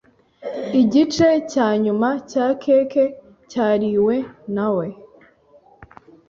Igice cya nyuma cya cake cyariwe nawe .